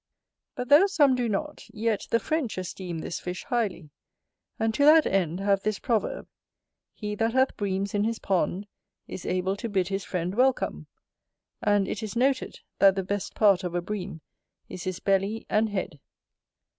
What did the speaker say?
But though some do not, yet the French esteem this fish highly; and to that end have this proverb "He that hath Breams in his pond, is able to bid his friend welcome"; and it is noted, that the best part of a Bream is his belly and head.